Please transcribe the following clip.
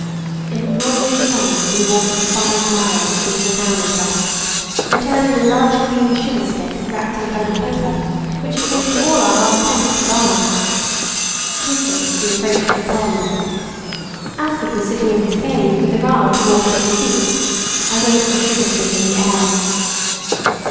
In the broiling sun we walked the five miles into the town and back, returning with a large green sugarstick wrapped in coloured paper which had taken all our half pence to buy. With this we approached the pond. Alfred was sitting in his cave with the raft moored at his feet; I waved the sugarstick in the air.